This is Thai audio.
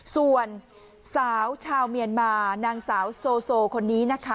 ส่วนสาวชาวเมียนมานางสาวโซคนนี้นะคะ